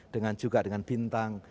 dengan juga dengan bintang